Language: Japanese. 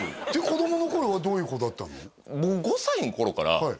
子供の頃はどういう子だったの？